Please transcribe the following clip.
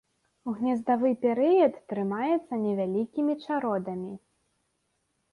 У гнездавы перыяд трымаецца невялікімі чародамі.